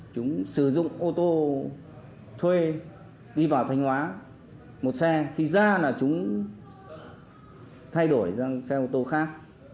chúng sử dụng ô tô thuê đi vào thanh hóa một xe khi ra là chúng thay đổi sang xe ô tô khác